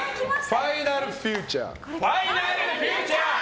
ファイナルフューチャー！